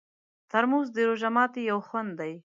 ترموز د روژه ماتي یو خوند دی.